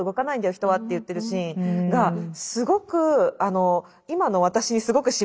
人は」って言ってるシーンがすごく今の私にすごくしみいっちゃって。